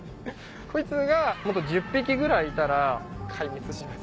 こいつがもっと１０匹ぐらいいたら壊滅します。